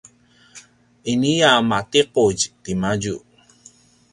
ini a matiqudj tiamadju